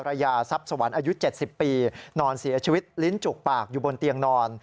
ระยะทรัพย์สวรรค์อายุ๗๐ปีนอนเสียชีวิตลิ้นจุกปากอยู่บนเตียงนอน